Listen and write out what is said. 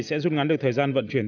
sẽ rút ngắn được thời gian vận chuyển